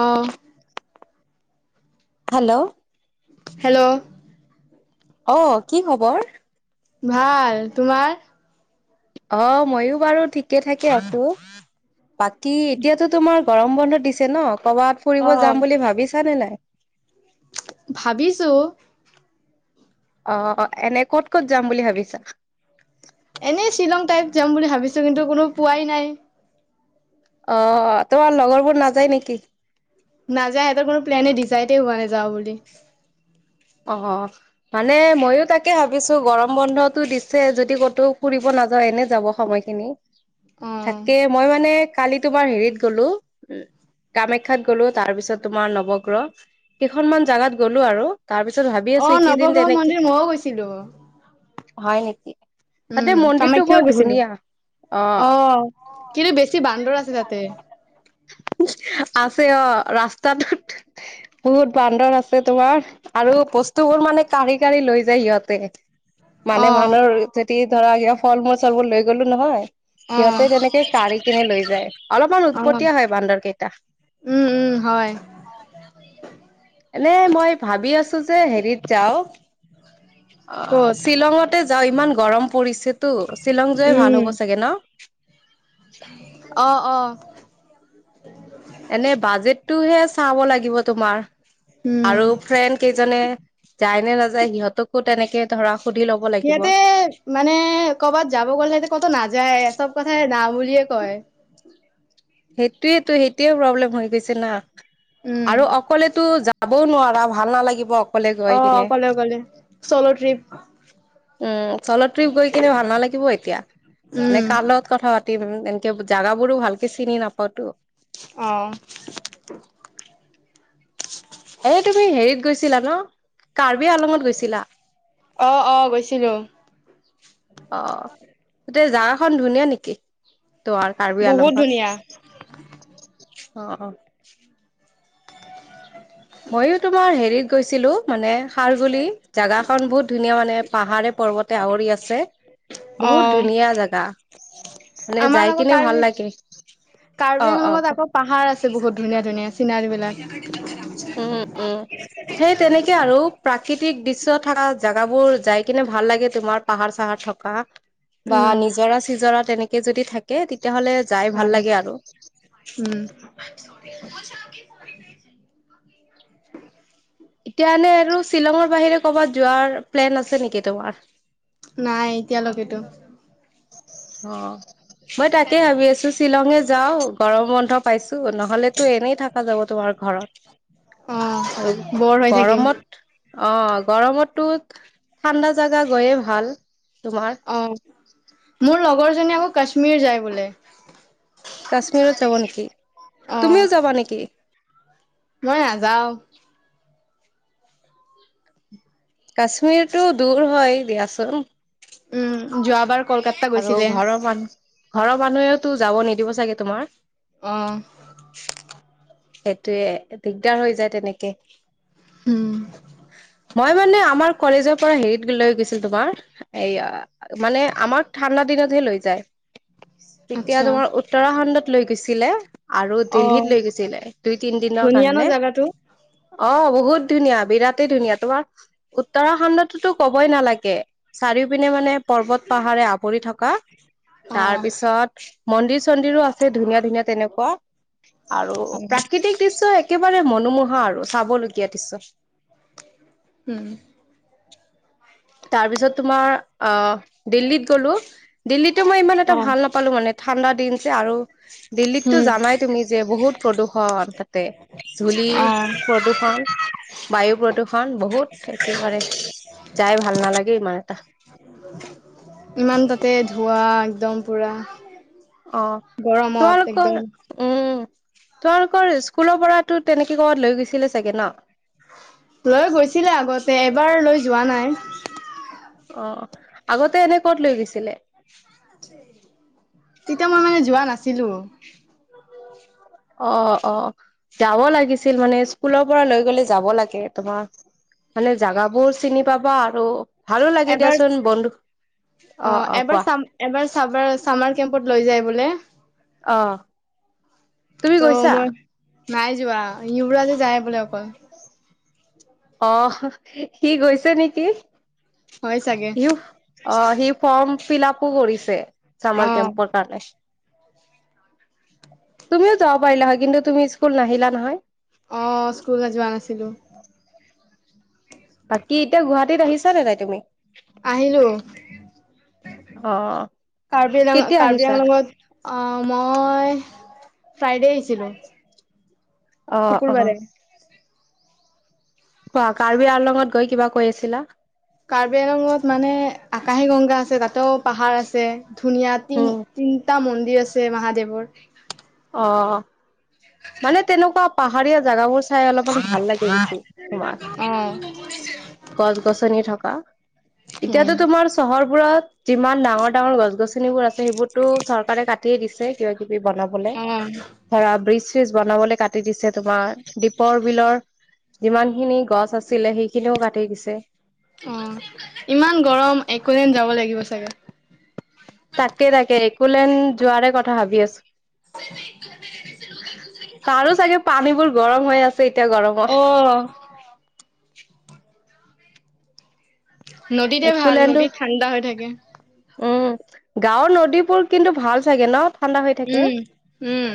অহ, hello hello! অ, কি খবৰ? ভাল তোমাৰ? অ, মইও বাৰু ঠিকে থাকে আছোঁ। বাকী এতিয়াতো তোমাৰ গৰম বন্ধ দিছে ন', কৰবাত ফুৰিব যাম বুলি ভাবিছা নে নাই? ভাবিছোঁ। অ, এনে ক'ত ক'ত যাম বুলি ভাবিছা? এনেই শ্বিলং টাইপ যাম বুলি ভাবিছোঁ, কিন্তু কোনো পোৱাই নাই। অ, তোমাৰ লগৰবোৰ নাযায় নেকি? নাযায় ইহঁতৰ কোনো প্লেনে ডিচাইডে হোৱা যাওঁ বুলি। অ, মানে ময়ো তাকে ভাবিছোঁ গৰম বন্ধতো দিছে যদি ক'তো ফুৰিব নাযা [unintelligible] এনে যাব সময় খিনি, অ থাকে মই মানে কালি তোমাৰ হেৰিত গ'লো উ, কামাখ্যাত গ'লো তাৰ পিছত তোমাৰ নৱগ্ৰহ, কেইখনমান জাগাত গলো আৰু। তাৰ পিছত ভাবি অ আছো এইকেইদিন নৱগ্ৰহ তেনেকে, মন্দিৰ মইও গৈছিলো হয় নেকি? তাতে উম মন্দিৰটো কামাখ্যাও বৰ গৈছিলো ধুনীয়া। অ, কিন্তু বেছি বান্দৰ আছে তাতে। আছে অ, ৰাস্তাটোত বহুত বান্দৰ আছে তোমাৰ। আৰু বস্তু বোৰ মানে কাঢ়ি কাঢ়ি লৈ যায় সিহঁতে অ মানে মানুহৰ যদি ধৰা কিবা ফল মূল চলবোৰ লৈ গ'লো নহয় অ সিহঁতে তেনেকে কাঢ়ি কিনে লৈ যায়, অলপমান অ উৎপটীয়া হয় বান্দৰ কেইটা। উম, উম, হয়। এনে মই ভাবি আছো যে হেৰিত যাও অ, ক'ত শ্বিলঙতে যাও ইমান গৰম পৰিছেতো। শ্বিলং যোৱাই ভাল হ'ব চাগে ন? অহ, [unintelligible] এনে বাজেটটোহে চাব লাগিব তোমাৰ। উম আৰু ফ্ৰেণ্ড কেইজনে যায় নে নাযায় সিহঁতকো তেনেকে ধৰা সুধি ল'ব লাগিব। সিহঁতে মানে কৰ'বাত যাব গ'লে সিহঁতে ক'তো নাযায় চব কথাই না বুলিয়ে কয়। সেইটোয়েতো সেইটোয়ে প্ৰব্লেম হৈ গৈছে না, উম, আৰু অকলেতো জা যাবও নোৱাৰা ভাল নালাগিব। অকলে গৈ কিনে অ' ক'লে অক'লে চলো ট্ৰিপ উম চলৰ ট্ৰিপ গৈ কিনে ভাল নালাগিব এতিয়া, উম। মে কাৰ লগত কথা পাতিম। এনেকে জাগাবোৰো ভালকে চিনি নাপাওঁতো। আহ। ছিলা ন, কাৰ্বি আলঙত গৈছিলা? অ' অ' গৈছিলো। অ' গোটেই জাগাখন ধুনীয়া নেকি? তো আৰু কাৰ্বি বহুত ধুনীয়া আলংকাৰত, অ' অ'। মইো তোমাৰ হেৰিত গৈছিলো, মানে সাৰগোলি জোগা খন বহুত ধুনীয়া মানে পাহাৰে পৰ্বতে আৱৰি আছে। বহুত অ'। ধুনীয়া জোগা, মানে আমাৰ যাই আকৌ কিনে কাৰ্বি ভাল লাগে। কাৰ্বি অ অ আংলঙত আকৌ পাহাৰ় আছে বহুত ধুনীয়া ধুনীয়া চিনাৰী বিলাক। উম উম, সেই তেনেকে আৰু প্ৰাকৃতিক দৃশ থকা জোগাবোৰ যাই কিনে ভাল লাগে তোমাৰ পাহাৰ চাহাৰ থকা। বা উম। নিজৰা চিজৰা তেনেকে যদি থাকে তে তেতিয়াাহলে যাই ভাল হয় লাগে আৰু। উম, [unintelligible] এতিয়া এনে আৰু শ্বিলঙৰ বাহিৰে কৰ'বাত যোৱাৰ প্লেন আছে নেকি তোমাৰ? নাই এতিয়ালৈকেতো। অ' মই তাকে ভাবি আছো শ্বিলঙে যাও গৰম বন্ধ। পাইছো নহলেতো এনেই থাকা যাব তোমাৰ ঘৰত। অ' আৰু, বৰ হৈ থাকিম। গৰমত অ' গৰমতো ঠাণ্ডা জেগা গৈয়ে ভাল। তোমাৰ অ' মোৰ লগৰ জনী আকৌ কাশ্মীৰ যায় বোলে। কাশ্মীৰত যাবা নেকি, অ' তুমিও যাবা নেকি? মই নাযাও। কাশ্মীৰ টো দূৰ হয় দিয়াচোন। উম যোৱাবাৰ কলকাতা আৰু গৈছিলে। ঘৰৰ মানুহ ঘৰৰ মানুহেও তো যাব নিদিব চাগে তোমাৰ? অ'। সেইটোয়ে দিগদাৰ হৈ যায় তেনেকে। উম। মই মানে আমাৰ কলেজৰ পৰা হেৰিত লৈ গৈছে তোমাৰ এয়া মানে আমাৰ ঠাণ্ডাত দিনতহে লৈ যায়। [inaudible] এতিয়া আচ্ছা তোমাৰ উত্তৰাখণ্ডত লৈ গৈছিলে আৰু অ দিল্লীত লৈ গৈছিলে। দুই তিনি দিনৰ ধুনীয়া ন কাৰণে। জাগাটো অ' বহুত ধুনীয়া বিৰাট ধুনীয়া তোমাৰ উত্তৰাখণ্ডোতো কবই নালাগে চাৰি পিনে মানে পৰ্বত পাহাৰে আৱৰি থকা। অ তাৰ পিছত মন্দিৰ চন্দিৰো আছে ধুনীয়া ধুনীয়া তেনেকুৱা। আৰু প্ৰাকৃতিক দৃশ্য একেবাৰে মনোমোহা আৰু চাবলগীয়া দৃশ্য। উম। তাৰ পিছত তোমাৰ দিল্লীত গ'লো দিল্লীতো মই ইমান এটা অ ভাল নাপালো মানে। ঠাণ্ডা দিনছে আৰু, দিল্লীত টো উম জানাই তুমি যে বহুত প্ৰদূষণ তাতে। ধূলিৰ অ প্ৰদূষণ বায়ু প্ৰদূষণ বহুত একে বাৰে যাই ভাল নালাগে ইমান এটা। ইমান তাতে ধোৱা একদম পুৰা। অ' গৰমত তোমালোকৰ, একদম উম। তোমালোকৰ স্কুলৰ পৰা তো তেনেকে কৰ'বাত লৈ গৈছিলে চাগে ন? এবাৰলৈ যোৱা নাই। অ', আগতে এনে ক'ত লৈ গৈছিলে? তেতিয়া মই মানে যোৱা নাছিলো। অ', অ', যাব লাগিছিল মানে স্কুলৰ পৰা লৈ গলে যাব লাগে তোমাৰ মানে জাগাবোৰ চিনি পাবা আৰু ভালো লাগে এবাৰ দিয়াচোন বন্ধু অ', এবাৰ চামাৰ কেম্পত লৈ যায় বোলে। অহ তুমি ত' গৈছা? মই নাই যোৱা ইৱৰাজে যায় বোলে অকল অ', সি গৈছে নেকি। হয় চাগে সি অ', সি ফৰ্ম ফিলাপো কৰিছে। চামাৰ অ কেম্পৰ কাৰণে। তুমিও যাব পাৰিলা হয় কিন্তু তুমি স্কুল নাহিলা নহয়। অ স্কুলত যোৱা নাছিলো। বাকী এতিয়া গুৱাহাটীত আহিছা নে নাই তুমি? আহিলো। অ কাৰ্বি আংলঙ কেতিয়া কাৰ্বি আহিছা আংলংত অ', মই ফ্ৰাইডে আহিছিলোঁ। অ', অ'। কোৱা কাৰ্বি আলঙত গৈ কিবা কৈ আছিলা। কাৰ্বি আলংঙত মানে আকাশী গংগা আছে তাতেও পাহাৰ আছে। ধুনীয়া উম তিনিটা মন্দিৰ আছে মহাদেৱৰ। অ', মানে তেনেকুৱা পাহাৰীয়া জোগাবোৰ চাই অলপ ভাল তোমাৰ গছ গছনী থকা। উম, এতিয়াতো তোমাৰ চহৰবোৰত যিমান ডাঙৰ ডাঙৰ গছ গছনিবোৰ আছে সেইবোৰতো চৰকাৰে কাটিয়ে দিছে কিবা কিবি বনাব। উম। ব্ৰিজ বনাবলৈ কি দিছে তোমাৰ দীপৰ বিলৰ যিমান খিনি গছ আছে অ', ইমান গৰম একোলেন্ডন যাব লাগিব চাগে। তাকে তাকে একোলেণ্ড যোৱাৰে কথা ভাবি আছোঁ তাৰো চাগে পানীবোৰ গৰম হৈ আছে এতিয়া গৰমত। অ', নদীতে ভাল একোলেণ্ডো নদীত ঠাণ্ডা হৈ থাকে। উম গাঁৱৰ নদীবোৰ কিন্তু ভাল চাগে ন। ঠাণ্ডা হৈ থাকে উম, উম।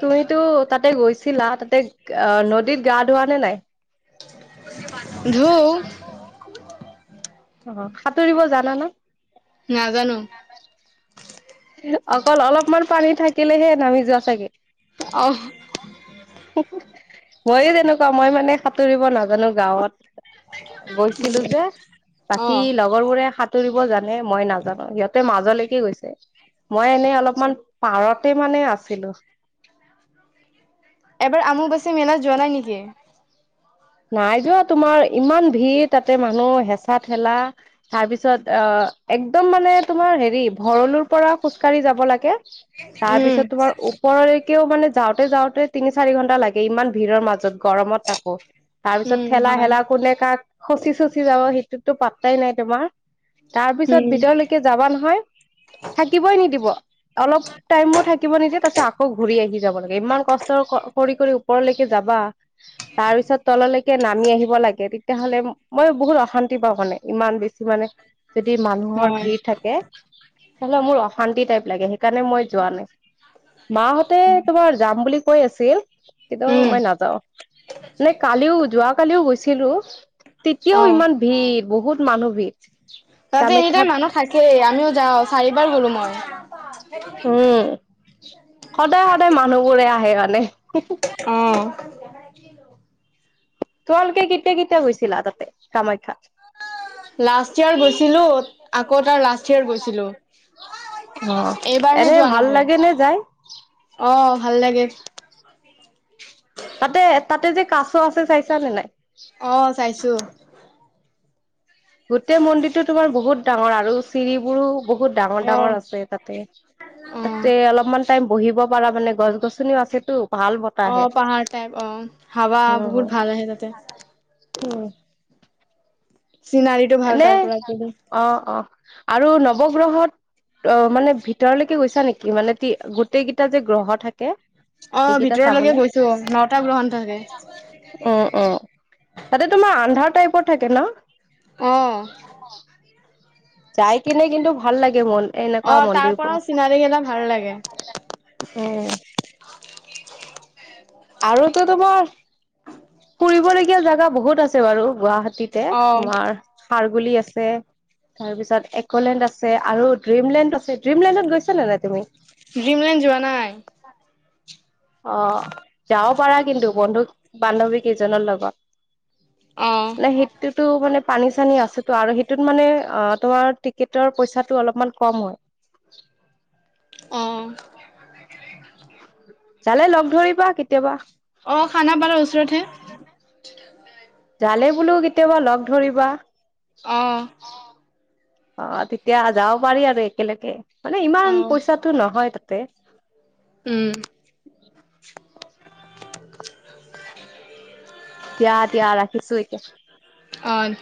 তুমিতো তাতে গৈছিলা তাতে আহ নদীত গা ধোৱা নে নাই। ধু। অ', সাঁতুৰিব জানা ন। নাজানো। অকল অলপমান পানী থাকিলেহে নামি যোৱা চাগে। অ', ময়ো তেনেকুৱা মই মানে। সাঁতুৰিব নাজানো গাঁৱত গৈছিলো যে বাকী অ'। লগৰ বোৰে সাঁতুৰিব জানে মই নাজানো সিহঁতে মাজলৈকে গৈছে। মই এনে অলপমান পাৰতে মানে আছিলো। এবাৰ আমু বাছে মেলাত যোৱা নাই নেকি। নাই যোৱা তোমাৰ ইমান ভিৰ তাতে মানুহ হেঁচা ঠেলা তাৰপিছত আহ একদম মানে তোমাৰ হেৰি ভৰলুৰ পৰা খোজকাঢ়ি যাব লাগে। তাৰ উম, পিছত তোমাৰ ওপৰলৈকেও মানে যাওঁতে যাওঁতে তিনি চাৰি ঘন্টা লাগে ইমান ভিৰৰ মাজত গৰমত তাকো। তাৰ পিছত উম, ঠেলা হয়, হেলা কোনে কাক খচি চচি যাব সেইটোতো পাত্তাই নাই তোমাৰ। তাৰ পিছত উম, ভিতৰলৈকে যাবা নহয় থাকিবই নিদিব। অলপ টাইমো থাকিব নিদে তাৰ পিছত আকৌ ঘূৰি আহি যাব লাগে ইমান কষ্ট কৰি কৰি। ওপৰলৈকে যাবা তাৰ পিছত তললৈকে নামি আহিব লাগে তেতিয়াহ'লে মই বহুত অশান্তি পাওঁ মানে। ইমান বেছি মানে যদি মানুহৰ হয়, ভিৰ থাকে তেহলে মোৰ অশান্তি টাইপ লাগে। সেইকাৰণে মই যোৱা নাই মাহঁতে তোমাৰ যাম বুলি কৈ আছিল। কিন্তু উম, মই নাযাও নে কালিও যোৱ কালিও গৈছিলোঁ। তেতিয়াও অ', ইমান ভিৰ, বহুত মানুহ ভিৰ। তাতে এনি টাইম কামাখ্যাত মানুহ থাকেই আমিও যাওঁ আ চাৰিবাৰ গলো মই। উম সদায় সদায় মানুহবোৰে আহে মানে অহ, তোমালোকে কেতিয়া কেতিয়া গৈছিলা তাতে, কামাখ্যাত? [unintelligible] লাষ্ট ইয়াৰ গৈছিলো আকৌ তাৰ লাষ্ট ইয়াৰ গৈছিলো। অ, এনেই ভাল লাগে নে যায়? অহ, ভাল লাগে। তাতে, তাতে যে কাছ আছে চাইছা নে নাই? অ, চাইছোঁ। গোটেই মন্দিৰটো তোমাৰ বহুত ডাঙৰ আৰু চিৰিবোৰো বহুত ডাঙৰ ডাঙৰ অ', আছে তাতে, অ', তাতে অলপমান টাইম বহিব পাৰা মানে গছ গছনিও আছেতো, ভাল বতাহে। অ, পাহাৰ টাইপ অ', হাৱা বহুত ভাল আহে তাতে উম, চিনাৰীটো ভাল তাৰ এনেই পৰা অ, অ, আৰু নৱগ্ৰহত অ, মানে ভিতৰলৈকে গৈছা নেকি? মানে গোটেই কেইটা যে গ্ৰহ থাকে। অ, সেইকেইটা ভিতৰলৈকে চাবলে গৈছোঁ নটা গ্ৰহণ থাকে। উম, উম, তাতে তোমাৰ আন্ধাৰ টাইপৰ থাকে ন? অ, যাই কিনে কিন্তু ভাল লাগে মন অ এনেকুৱা তাৰ মন্দিৰ বোৰ। পৰাও চিনাৰী কেইটা ভাল লাগে উম, আৰুতো তোমাৰ ফুৰিবলগীয়া জোগা বহুত আছে। বাৰু গুৱাহাটী তিতে অ তোমাৰ সাৰগুলি আছে, তাৰপিছত এক'লেণ্ড আছে, আৰু ড্ৰিমলেণ্ড আছে, ড্ৰিমলেণ্ডত গৈছ নে নাই তুমি? ড্ৰিমলেণ্ড যোৱা নাই। অ, যাব পাৰা কিন্তু বন্ধু বান্ধৱী কেইজনৰ লগত। অ নে, সেইটোতো মানে পানী চানী আছেতো আৰু সেইটোত মানে অ, তোমাৰ টিকেটৰ পইচাটো অলপমান কম হয়। অ জালে লগ ধৰিবা, কেতিয়াবা অ, খানাপাৰা ওচৰত হে। জালে বোলো কেতিয়াবা লগ ধৰিবা। অ', অ, তেতিয়া যাব পাৰি আৰু একেলগে, মানে অ ইমান পইচাটো নহয় তাতে। উম, দিয়া দিয়া, ৰাখিছোঁ এতিয়া। অ